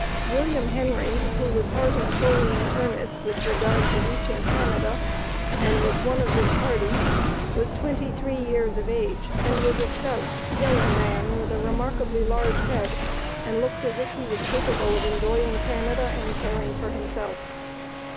William Henry, who was heart and soul in earnest with regard to reaching Canada, and was one of this party, was twenty three years of age, and was a stout, yellow man with a remarkably large head, and looked as if he was capable of enjoying Canada and caring for himself.